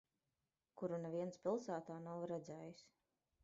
Kuru neviens pilsētā nav redzējis.